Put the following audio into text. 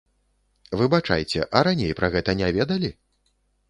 Выбачайце, а раней пра гэта не ведалі?